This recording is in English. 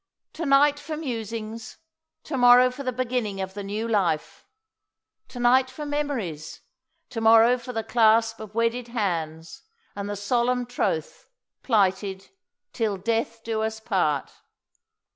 To night for musings; to morrow for the beginning of the new life. To night for memories; to morrow for the clasp of wedded hands and the solemn troth, plighted "till death do us part."